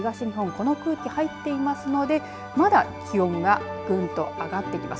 この空気入っていますので、まだ気温はぐんと上がってきます。